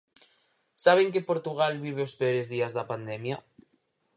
Saben que Portugal vive os peores días da pandemia.